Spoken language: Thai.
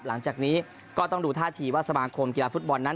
หลังจากนี้ก็ต้องดูท่าทีว่าสมาคมกีฬาฟุตบอลนั้น